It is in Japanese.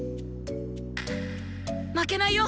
負けないよ！